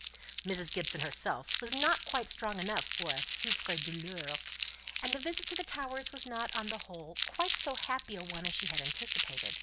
Mrs. Gibson herself was not quite strong enough for a "souffre douleur;" and the visit to the Towers was not, on the whole, quite so happy a one as she had anticipated.